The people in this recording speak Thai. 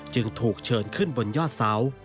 จึงถูกเชิญขึ้นบนยอดเสา